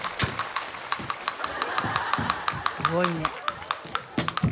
すごいね。